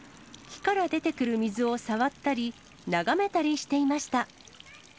木から出てくる水を触ったり、眺めたりしていました。